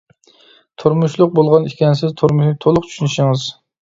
تۇرمۇشلۇق بولغان ئىكەنسىز، تۇرمۇشنى تولۇق چۈشىنىشىڭىز.